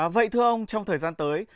vậy thưa ông trong thời gian tới